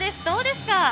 どうですか。